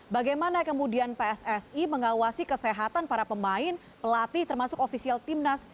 bagaimana kemudian pssi mengawasi kesehatan para pemain pelatih termasuk ofisial timnas